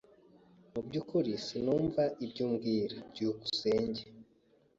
Mu byukuri sinumva ibyo umbwira. byukusenge